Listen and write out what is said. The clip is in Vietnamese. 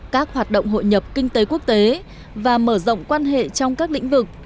các hoạt động hội nhập kinh tế quốc tế và mở rộng quan hệ trong các lĩnh vực